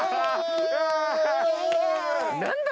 何だ⁉